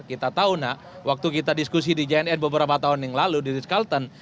kita tahu nak waktu kita diskusi di jnn beberapa tahun yang lalu di rizkalton